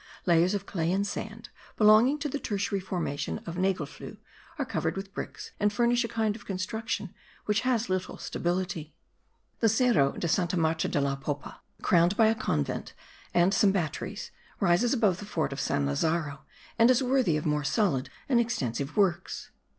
Layers of clay and sand, belonging to the tertiary formation of nagelfluhe, are covered with bricks and furnish a kind of construction which has little stability. The Cerro de Santa Maria de la Popa, crowned by a convent and some batteries, rises above the fort of San Lazaro and is worthy of more solid and extensive works.